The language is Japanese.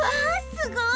すごい！